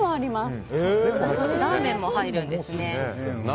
ラーメンも入るんですね。